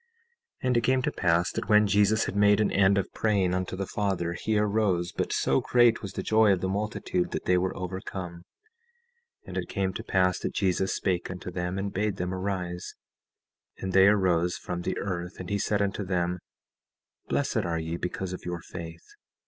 17:18 And it came to pass that when Jesus had made an end of praying unto the Father, he arose; but so great was the joy of the multitude that they were overcome. 17:19 And it came to pass that Jesus spake unto them, and bade them arise. 17:20 And they arose from the earth, and he said unto them: Blessed are ye because of your faith.